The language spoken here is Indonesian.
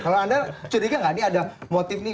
kalau anda curiga gak nih ada motif nih